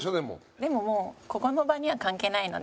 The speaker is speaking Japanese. でももうここの場には関係ないので。